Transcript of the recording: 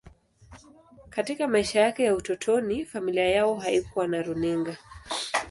Katika maisha yake ya utotoni, familia yao haikuwa na runinga.